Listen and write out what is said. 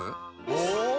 お！